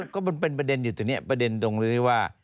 ก็มันเป็นประเด็นอยู่ตรงนี้ประเด็นตรงเลยที่ว่า